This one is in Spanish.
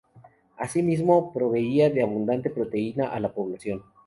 Asimismo, proveía de abundante proteína a la población.